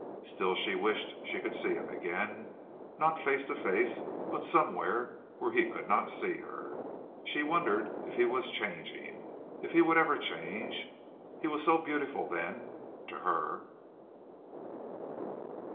Still she wished she could see him again not face to face, but somewhere where he could not see her. She wondered if he was changing if he would ever change. He was so beautiful then to her.